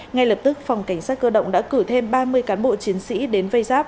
ngay lập tức phòng cảnh sát cơ động đã cử thêm ba mươi cán bộ chiến sĩ đến vây giáp